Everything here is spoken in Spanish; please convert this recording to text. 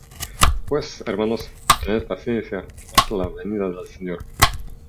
Pues, hermanos, tened paciencia hasta la venida del Señor.